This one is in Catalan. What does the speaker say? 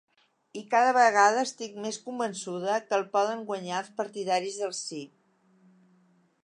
I cada vegada estic més convençuda que el poden guanyar els partidaris del sí.